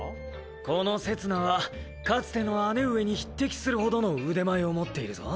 このせつなはかつての姉上に匹敵するほどの腕前を持っているぞ。